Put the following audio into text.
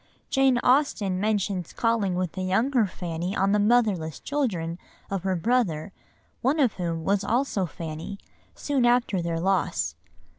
Jane Austen mentions calling with the younger Fanny on the motherless children of her brother, one of whom was also Fanny, soon after their loss.